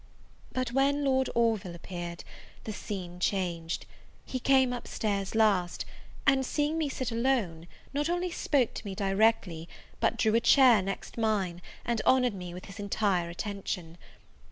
But when Lord Orville appeared, the scene changed: he came up stairs last; and, seeing me sit alone, not only spoke to me directly, but drew a chair next mine, and honoured me with his entire attention.